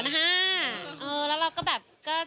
แล้วเราก็แบบก็